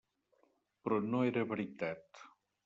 Però no era veritat.